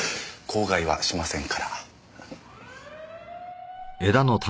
口外はしませんから。